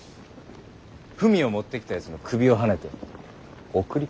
文を持ってきたやつの首をはねて送り返せ。